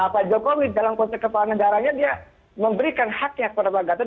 pak jokowi dalam konteks kepala negaranya dia memberikan haknya kepada pak gatot